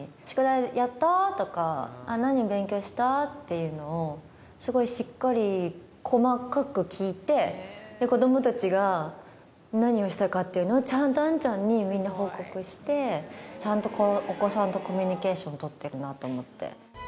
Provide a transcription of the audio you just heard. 宿題やった？とか、何勉強した？っていうのを、すごいしっかり細かく聞いて、子どもたちが何をしたかっていうのは、ちゃんと杏ちゃんにみんな報告して、ちゃんとお子さんとコミュニケーション取ってるなと思って。